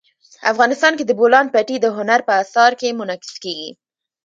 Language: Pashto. افغانستان کې د بولان پټي د هنر په اثار کې منعکس کېږي.